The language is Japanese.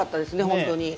本当に。